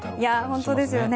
本当ですよね。